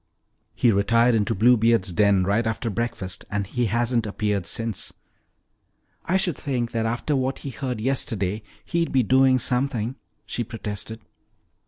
"He retired into Bluebeard's den right after breakfast and he hasn't appeared since." "I should think that after what he heard yesterday he'd be doing something," she protested.